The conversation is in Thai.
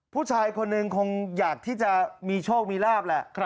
ผู้ชายคนหนึ่งคงอยากที่จะมีโชคมีลาบแหละ